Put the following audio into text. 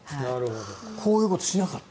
こういうことをしなかった。